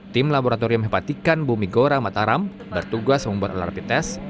tim laboratorium hepatikan bumi gora mataram bertugas membuat rapi tes